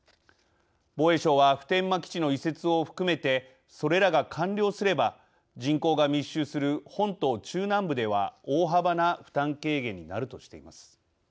防衛省は普天間基地の移設を含めてそれらが完了すれば人口が密集する本島中南部では大幅な負担軽減になるとしています。